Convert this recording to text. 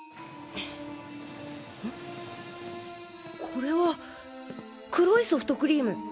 これは黒いソフトクリーム。